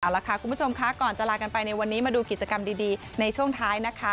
เอาละค่ะคุณผู้ชมค่ะก่อนจะลากันไปในวันนี้มาดูกิจกรรมดีในช่วงท้ายนะคะ